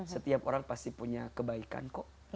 setiap orang pasti punya kebaikan kok